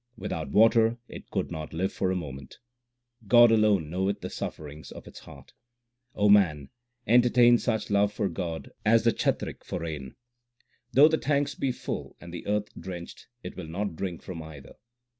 Without water it could not live for a moment ; God aione knoweth the sufferings of its heart. O man, entertain such love for God as the chatrik for rain : Though the tanks be full and the earth drenched, it will not drink from either.